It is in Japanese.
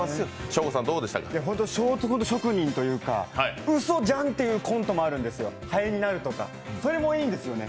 ショートコント職人というか、うそじゃんっていうコントとかはえになるとか、それもいいんですよね。